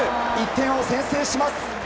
１点を先制します。